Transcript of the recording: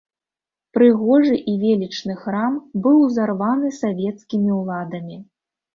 Прыгожы і велічны храм быў узарваны савецкімі ўладамі.